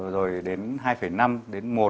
rồi đến hai năm đến một